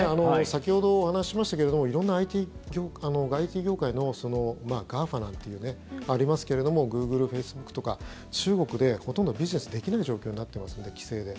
先ほど、お話ししましたけれども色んなＩＴ業界のＧＡＦＡなんてありますけれどもグーグル、フェイスブックとか中国で、ほとんどビジネスができない状況になってますので規制で。